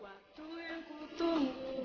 waktu yang ku tunggu